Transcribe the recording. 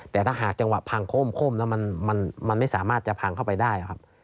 แต่ถ้าหากจังหวะพังโค้มแล้วมันไม่สามารถจะพังเข้าไปได้ครับ